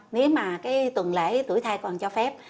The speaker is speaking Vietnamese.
nếu mà cái tuần lễ tuổi thai còn cho phép